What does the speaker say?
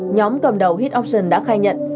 nhóm cầm đầu hit option đã khai nhận